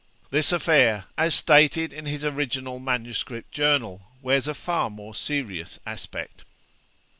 This affair, as stated in his original manuscript journal, wears a far more serious aspect.